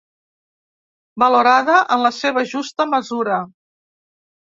Valorada en la seva justa mesura.